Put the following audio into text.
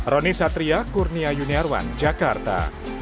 roni satria kurnia yuniarwan jakarta